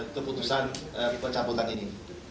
keputusan pencabutan ini